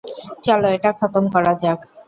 চলো, এটা খতম করা যাক।